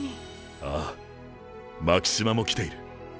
ああ巻島も来ている。